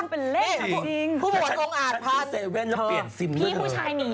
อะไรสองร้อยอุ้ยสองสามร้อยอ่ะน้อยมอดตาเจ็บกว่าคุณป้าอีก